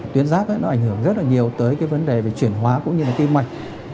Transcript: tuyến rác ấy nó ảnh hưởng rất là nhiều tới cái vấn đề về chuyển hóa cũng như là tim mạch